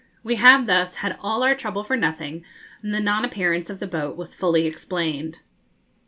We had thus had all our trouble for nothing, and the non appearance of the boat was fully explained.